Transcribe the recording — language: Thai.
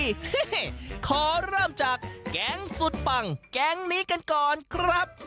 นี่ขอเริ่มจากแก๊งสุดปังแก๊งนี้กันก่อนครับ